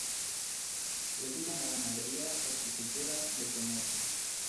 Le siguen la ganadería, horticultura y el comercio.